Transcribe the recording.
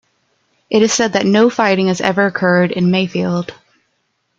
It is said that no fighting has ever occurred in Mayfield.